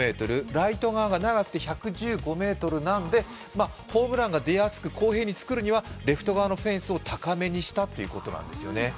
ライト側が長くて１１５．５ｍなので、ホームランが出やすく、公平に造るにはレフト側のフェンスを高めにしたということなんですよね。